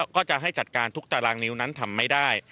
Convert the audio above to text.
ก็จะให้จัดการทุกตารางนิ้วนั้นทำไม่ได้